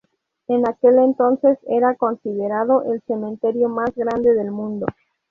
En aquel entonces era considerado el cementerio más grande del mundo.